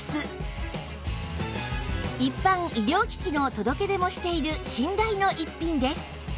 一般医療機器の届け出もしている信頼の逸品です